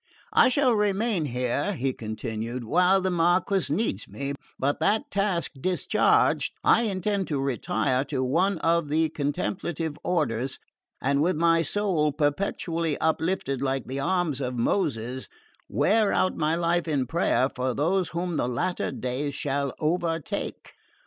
I shall remain here," he continued, "while the Marquess needs me; but that task discharged, I intend to retire to one of the contemplative orders, and with my soul perpetually uplifted like the arms of Moses, wear out my life in prayer for those whom the latter days shall overtake."